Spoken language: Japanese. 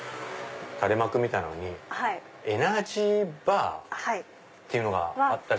垂れ幕みたいのにエナジーバーっていうのがあった。